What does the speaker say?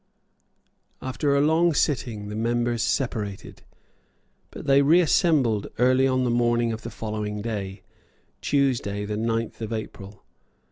After a long sitting the members separated; but they reassembled early on the morning of the following day, Tuesday the ninth of April.